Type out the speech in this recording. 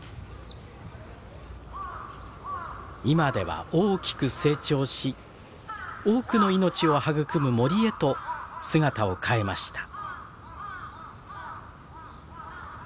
今では大きく成長し多くの命を育む森へと姿を変えました。